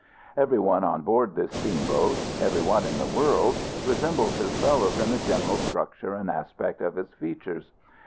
Every one on board this steamboat every one in the world resembles his fellows in the general structure and aspect of his features.